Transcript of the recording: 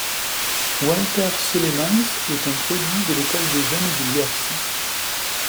Walter Ceulemans est un produit de l'école des jeunes du Lierse.